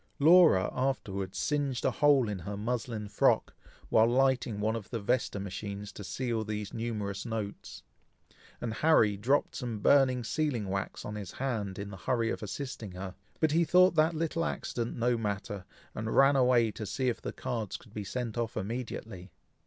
Laura afterwards singed a hole in her muslin frock, while lighting one of the Vesta matches to seal these numerous notes; and Harry dropped some burning sealing wax on his hand, in the hurry of assisting her; but he thought that little accident no matter, and ran away to see if the cards could be sent off immediately.